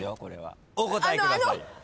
お答えください。